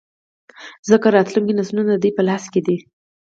ځـکـه راتـلونکي نـسلونه د دوي پـه لاس کـې دي.